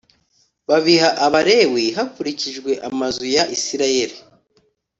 Babiha aBalewi hakurikijwe amazu ya isirayeli